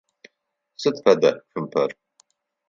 Сыд фэда цумпэр?